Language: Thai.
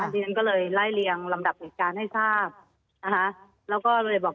ทีนั้นก็เลยไล่เรียงลำดับเหตุการณ์ให้ทราบ